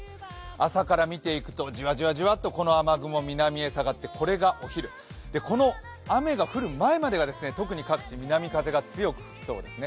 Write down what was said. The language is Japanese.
朝から見ていくとじわじわっとこの雨雲、南へ下がってこれがお昼、この雨が降る前までが特に各地南風が強く吹きそうですね。